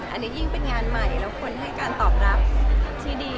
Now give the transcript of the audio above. อันนี้ยิ่งเป็นงานใหม่แล้วควรให้การตอบรับที่ดี